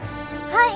はい！